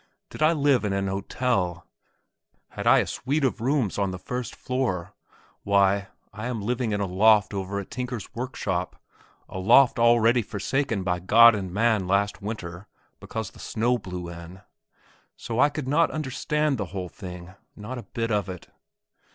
Did I live in an hotel? Had I a suite of rooms on the first floor? Why, I am living in a loft over a tinker's workshop, a loft already forsaken by God and man last winter, because the snow blew in. So I could not understand the whole thing; not a bit of it.